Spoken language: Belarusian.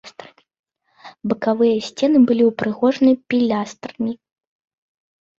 Бакавыя сцены былі ўпрыгожаны пілястрамі.